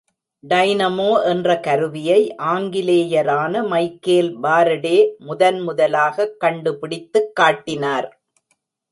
Dynamo என்ற கருவியை ஆங்கிலேயரான மைக்கேல் பாரடே முதன் முதலாகக் கண்டு பிடித்துக் காட்டினார்.